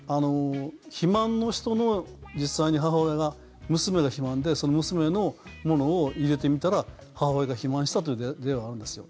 肥満の人の実際に母親が、娘が肥満でその娘のものを入れてみたら母親が肥満したという例はあるんですよ。